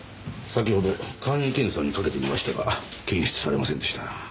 先ほど簡易検査にかけてみましたが検出されませんでした。